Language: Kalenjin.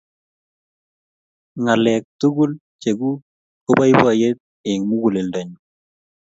ng'alek tugul cheguk ko baibaiet eng' muguleldo nyu